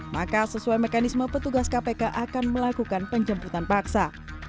maka sesuai mekanisme petugas kpk akan melakukan penjemputan paksa